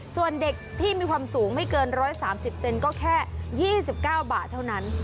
ส่วนเด็กที่มีความสูงไม่เกินร้อยสามสิบเซนก็แค่ยี่สิบเก้าบาทเท่านั้น